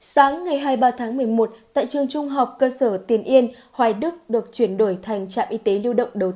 sáng ngày hai mươi ba tháng một mươi một tại trường trung học cơ sở tiền yên hoài đức được chuyển đổi thành trạm y tế lưu động đầu tiên